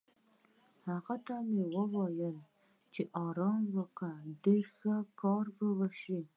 هغې ته ووایې چې ارام وکړه، ډېر به ښه کار وشي.